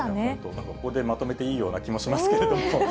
なんかここでまとめていいような気もしますけど。